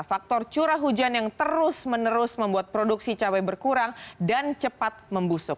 faktor curah hujan yang terus menerus membuat produksi cabai berkurang dan cepat membusuk